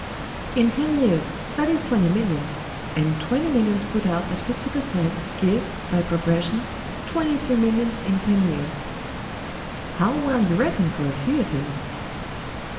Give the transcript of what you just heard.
"In ten years that is twenty millions—and twenty millions put out at fifty per cent. give, by progression, twenty three millions in ten years." "How well you reckon for a Theatin!"